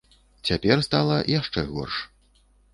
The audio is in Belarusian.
Цяпер стала яшчэ горш.